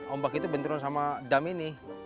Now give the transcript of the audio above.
ombak itu benturan sama dam ini